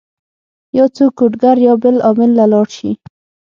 يا څوک کوډ ګر يا بل عامل له لاړ شي